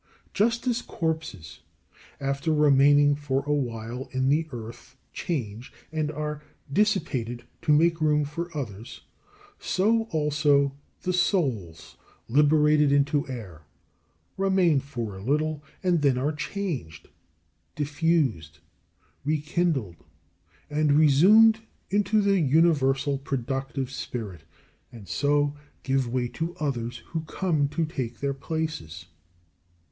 Just as corpses, after remaining for a while in the earth, change, and are dissipated to make room for others; so also the souls, liberated into air, remain for a little, and then are changed, diffused, rekindled, and resumed into the universal productive spirit; and so give way to others who come to take their places.